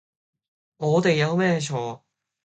我哋有咩錯